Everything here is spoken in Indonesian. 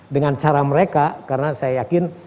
dengan cara mereka karena saya yakin